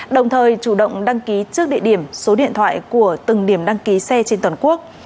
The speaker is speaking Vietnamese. đồng thời chủ động đăng ký trước địa điểm số điện thoại của từng điểm đăng ký xe trên toàn quốc